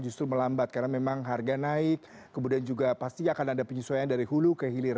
justru melambat karena memang harga naik kemudian juga pasti akan ada penyesuaian dari hulu ke hilir